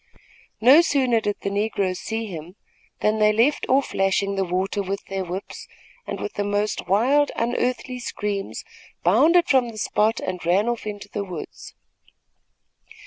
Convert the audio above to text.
No sooner did the negroes see them, than they left off lashing the water with their whips and, with the most wild, unearthly screams, bounded from the spot and ran off into the woods.